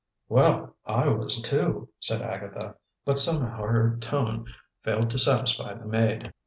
"Well, I was, too," said Agatha, but somehow her tone failed to satisfy the maid.